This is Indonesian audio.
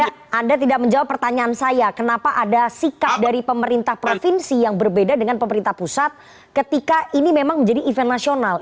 ya anda tidak menjawab pertanyaan saya kenapa ada sikap dari pemerintah provinsi yang berbeda dengan pemerintah pusat ketika ini memang menjadi event nasional